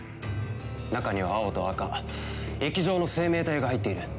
中には青と赤液状の生命体が入っている。